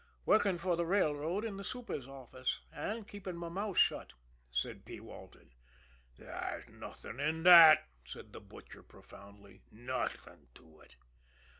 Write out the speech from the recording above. "Working for the railroad in the super's office and keeping my mouth shut," said P. Walton. "There's nothin' in that," said the Butcher profoundly. "Nothin' to it!"